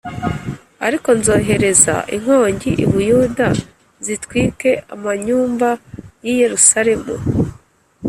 Ariko nzohereza inkongi i Buyuda zitwike amanyumba y’i Yerusalemu.”